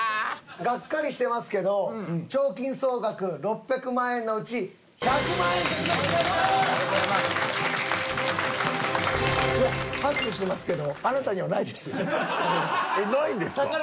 がっかりしてますけど賞金総額６００万円のうちえっないんですか？